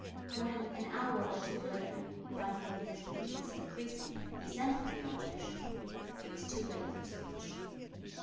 When, an hour or two later, finding his weakness increasing, he sent for the Archbishop, it was too late for speech.